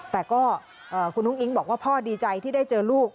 แต่ก็คุณอุ้งอิ๊งบอกว่าพ่อดีใจที่ได้เจอลูก